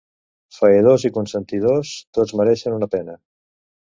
Faedors i consentidors, tots mereixen una pena.